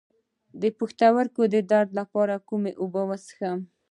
د پښتورګو د درد لپاره کومې اوبه وڅښم؟